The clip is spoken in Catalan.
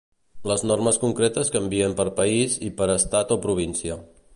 Les normes concretes canvien per país i per estat o província.